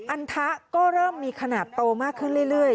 อันทะก็เริ่มมีขนาดโตมากขึ้นเรื่อย